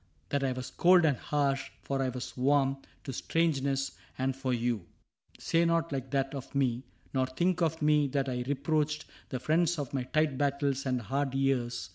That I was cold and harsh, for I was warm To strangeness, and for you ... Say not like that Of me — nor think of me that I reproached The friends of my tight battles and hard years.